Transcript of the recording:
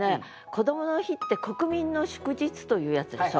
こどもの日って国民の祝日というやつでしょ。